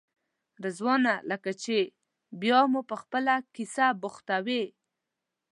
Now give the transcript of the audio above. رضوانه لکه چې بیا مو په خپله کیسه بوختوې.